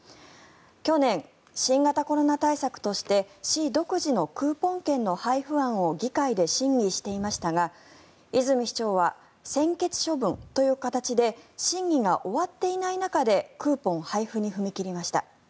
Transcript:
去年、新型コロナ対策として市独自のクーポン券の配布案を議会で審議していましたが泉市長は専決処分という形で審議が終わっていない中でクーポン配布に踏み切りました。